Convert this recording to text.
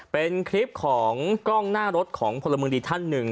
เป็นคลิปของกล้องหน้ารถของพลเมืองดีท่านหนึ่ง